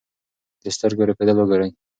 د سترګو رپېدل وګورئ.